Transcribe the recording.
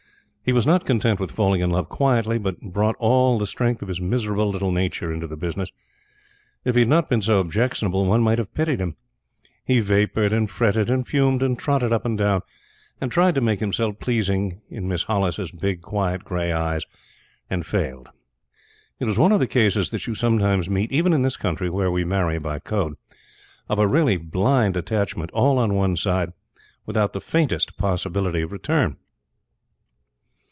He was not content with falling in love quietly, but brought all the strength of his miserable little nature into the business. If he had not been so objectionable, one might have pitied him. He vapored, and fretted, and fumed, and trotted up and down, and tried to make himself pleasing in Miss Hollis's big, quiet, gray eyes, and failed. It was one of the cases that you sometimes meet, even in this country where we marry by Code, of a really blind attachment all on one side, without the faintest possibility of return.